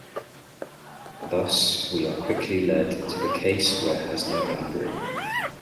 Thus, we are quickly led to the case where has no boundary.